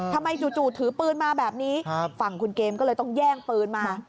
จู่ถือปืนมาแบบนี้ฝั่งคุณเกมก็เลยต้องแย่งปืนมา